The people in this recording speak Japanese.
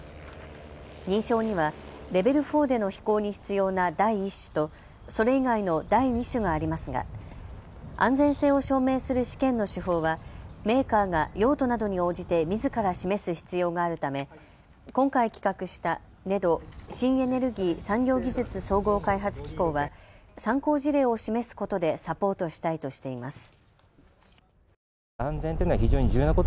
認証にはレベル４での飛行に必要な第１種と、それ以外の第２種がありますが安全性を証明する試験の手法はメーカーが用途などに応じてみずから示す必要があるため今回、企画したＮＥＤＯ・新エネルギー・産業技術総合開発機構は参考事例を示すことでサポートしたいとしています。